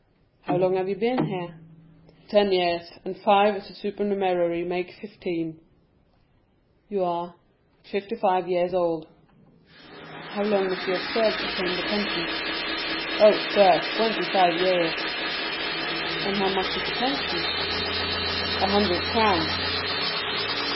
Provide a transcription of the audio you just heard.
"How long have you been here?" "Ten years, and five as a supernumerary make fifteen." "You are——" "Fifty five years old." "How long must you have served to claim the pension?" "Oh, sir, twenty five years." "And how much is the pension?" "A hundred crowns."